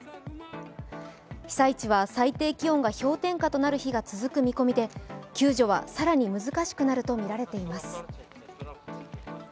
被災地は最低気温が氷点下となる日が続く見込みで救助は更に難しくなるとみられています。